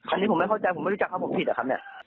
อันนี้ผมไม่เข้าใจผมไม่รู้จักครับผมผิดอะครับเนี่ย